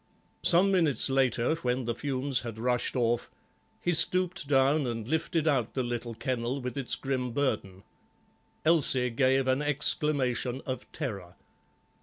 Some minutes later, when the fumes had rushed off, he stooped down and lifted out the little kennel with its grim burden. Elsie gave an exclamation of terror.